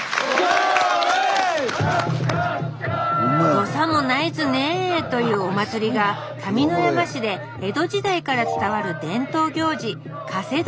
どさもないずねぇというお祭りが上山市で江戸時代から伝わる伝統行事